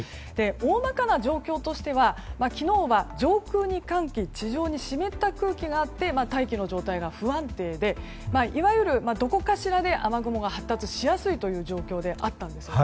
おおまかな状況としては昨日は上空に寒気地上に湿った空気があって大気の状態が不安定でいわゆる、どこかしらで雨雲が発達しやすい状況だったんです。